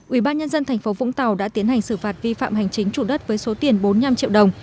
ubnd tp vũng tàu đã tiến hành xử phạt vi phạm hành chính chủ đất với số tiền bốn mươi năm triệu đồng